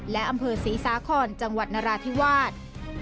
และอำเภอศรีสาคอนจังหวัดนราธิวาส